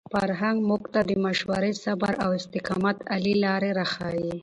فرهنګ موږ ته د مشورې، صبر او استقامت عالي لارې راښيي.